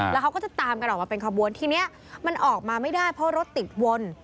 แล้วเขาก็จะตามกันออกมาเป็นขบวนทีนี้มันออกมาไม่ได้เพราะรถติดวน